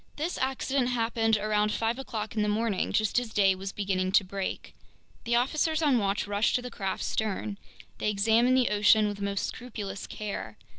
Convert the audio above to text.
This accident happened around five o'clock in the morning, just as day was beginning to break. The officers on watch rushed to the craft's stern. They examined the ocean with the most scrupulous care.